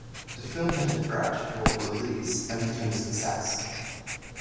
The film had a theatrical release and became a success.